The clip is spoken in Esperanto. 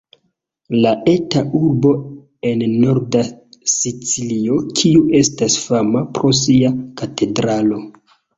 La eta urbo en norda Sicilio kiu estas fama pro sia katedralo.